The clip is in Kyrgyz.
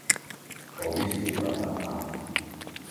по убийству брата А.